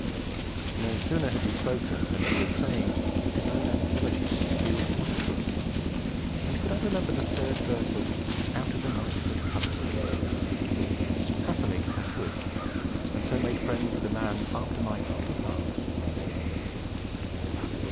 No sooner had we spoken than he was saying he kept his own anthology in his field pocket book and could I remember the third verse of 'Out of the night that covers me'? Happily I could; and so made friends with a man after my heart of hearts.